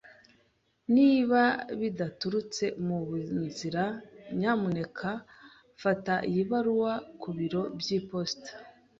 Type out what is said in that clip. Niba bidaturutse mu nzira, nyamuneka fata iyi baruwa ku biro by'iposita.